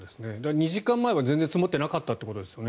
２時間前は全然積もっていなかったということですよね。